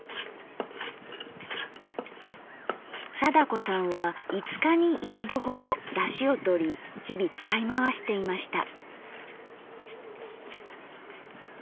貞子さんは５日に１度ほどだしをとり日々使い回していました。